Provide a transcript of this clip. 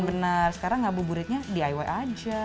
benar sekarang ngabuburitnya diy aja